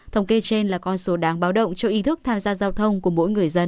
thống kê trên là con số đáng báo động cho ý thức tham gia giao thông của mỗi người dân